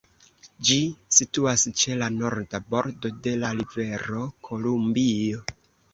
Ĝi situas ĉe la norda bordo de la rivero Kolumbio.